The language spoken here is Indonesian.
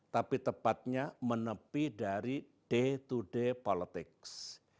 tapi tepatnya menepi dari day to day politics